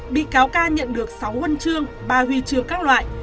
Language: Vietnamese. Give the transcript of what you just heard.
bị cáo ca nhận được sáu huân trương ba huy trường các loại